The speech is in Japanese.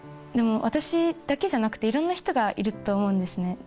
でも私だけじゃなくていろんな人がいると思うんですね